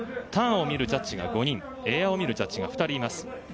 ターンを見るジャッジが５人エアを見るジャッジが２人います。